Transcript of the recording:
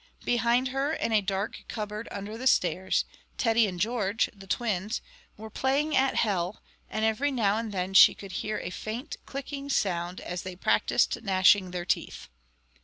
Behind her, in a dark cupboard under the stairs, Teddy and George, the twins, were playing at Hell; and every now and then she could hear a faint clicking sound, as they practised gnashing their teeth.